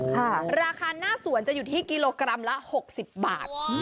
ราคาหน้าสวนจะอยู่ที่กิโลกรัมละ๖๐บาท